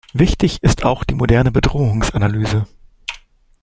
Wichtig ist auch die moderne Bedrohungsanalyse.